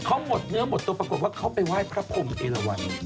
เขาหมดเนื้อหมดตัวปรากฏว่าเขาไปไหว้พระพรมเอลวัน